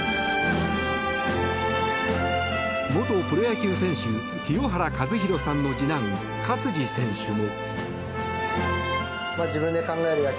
元プロ野球選手、清原和博さんの次男、勝児選手も。